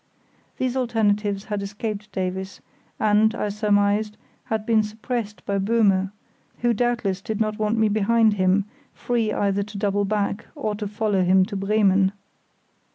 These alternatives had escaped Davies, and, I surmised, had been suppressed by Böhme, who doubtless did not want me behind him, free either to double back or to follow him to Bremen.